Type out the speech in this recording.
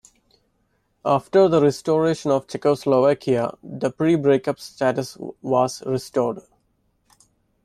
After the restoration of Czechoslovakia, the pre-breakup status was restored.